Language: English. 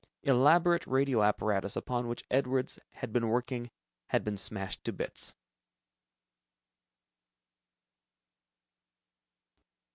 Elaborate radio apparatus upon which Edwards had been working had been smashed to bits.